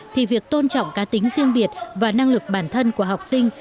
thì việc tôn trọng cá tính riêng biệt và năng lực bản thân của học sinh